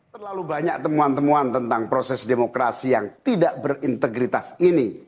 terlalu banyak temuan temuan tentang proses demokrasi yang tidak berintegritas ini